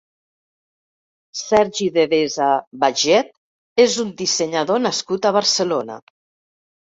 Sergi Devesa Bajet és un dissenyador nascut a Barcelona.